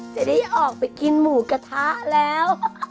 จะได้ออกไปกินหมูกระทะแล้ว